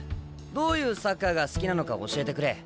どういうサッカーが好きなのか教えてくれ。